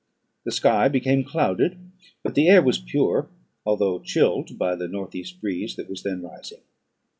The sky became clouded; but the air was pure, although chilled by the north east breeze that was then rising.